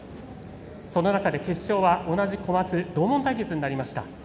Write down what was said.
そんな中で決勝は同じコマツ同門対決になりました。